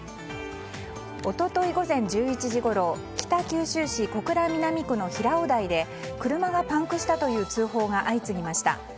一昨日午前１１時ごろ北九州市小倉南区の平尾台で車がパンクしたという通報が相次ぎました。